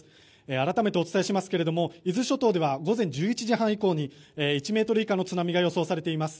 改めてお伝えしますが伊豆諸島では午前１１時半以降に１ｍ以下の津波が予想されています。